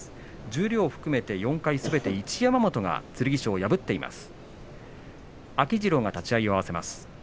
十両を含めて４回すべて一山本が剣翔を破っています。